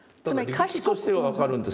理屈としては分かるんですよ。